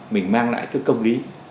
mình mang lại công lý